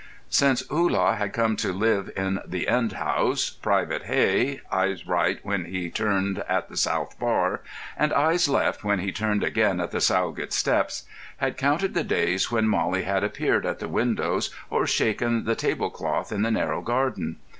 Since Hullah had come to live in the end house, Private Hey, eyes right when he turned at the South Bar, and eyes left when he turned again at the Sowgate Steps, had counted the days when Mollie had appeared at the windows or shaken the table cloth in the narrow garden.